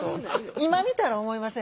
今見たら思いますね。